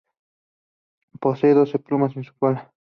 Posee doce plumas en su cola.